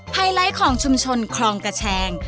ไฮไลท์ของชุมชนคลองกระแชง